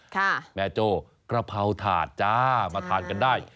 แม่โจ้กระเพราถาดจ้ามาทานกันได้